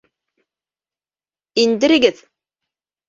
Индерегеҙ!